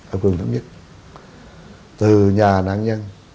ở vườn đống nhất từ nhà nạn nhân